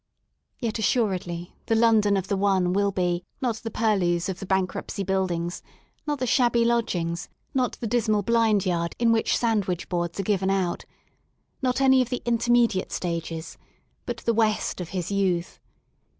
Yet assuredly the London of the one will be, not the purlieus of Bankruptcy Buildings, not the shabby lodgings, not the dismal blind yard in which sand wich boards are given out, not any of the intermediate stages, but the West of his youth.